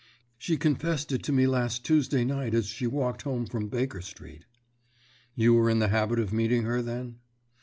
"She confessed it to me last Tuesday night as she walked home from Baker Street." "You were in the habit of meeting her, then?"